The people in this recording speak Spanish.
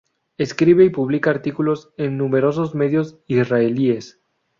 Escribe y publica artículos en numerosos medios israelíes.